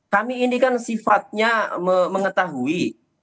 kami ini kan sifatnya mengetahui